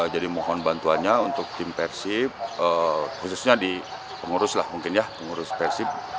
jadi mohon bantuannya untuk tim persib khususnya di pengurus lah mungkin ya pengurus persib